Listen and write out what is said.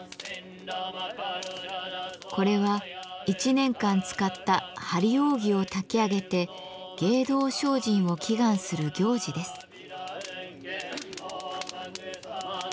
これは１年間使った「張り扇」を炊き上げて芸道精進を祈願する行事です。